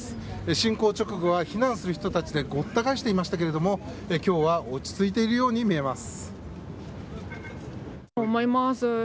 侵攻直後は避難する人たちでごった返していましたが今日は落ち着いているように見えます。